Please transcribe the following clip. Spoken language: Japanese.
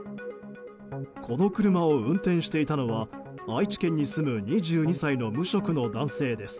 この車を運転していたのは愛知県に住む２２歳の無職の男性です。